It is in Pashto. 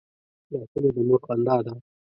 لاسونه د مور خندا ده